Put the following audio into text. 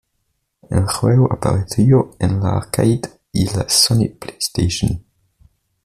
El juego apareció en la arcade y la Sony PlayStation.